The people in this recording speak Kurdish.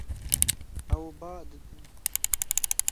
Ew ba didin.